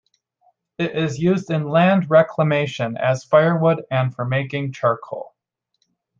It is used in land reclamation, as firewood and for making charcoal.